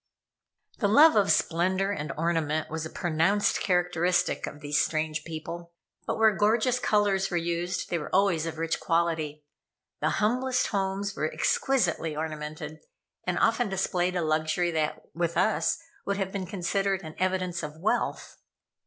The love of splendor and ornament was a pronounced characteristic of these strange people. But where gorgeous colors were used, they were always of rich quality. The humblest homes were exquisitely ornamented, and often displayed a luxury that, with us, would have been considered an evidence of wealth.